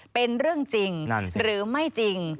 เป็นเรื่องจริงหรือไม่จริง